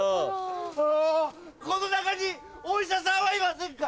あぁこの中にお医者さんはいませんか？